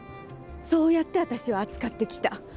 そうやってわたしを扱ってきた。